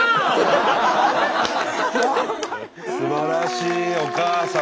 すばらしいお母様。